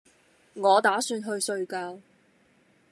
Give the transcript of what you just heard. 我打算去睡覺